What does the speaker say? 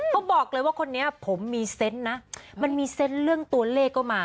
เขาบอกเลยว่าคนนี้ผมมีเซนต์นะมันมีเซนต์เรื่องตัวเลขก็มา